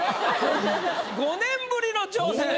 ５年ぶりの挑戦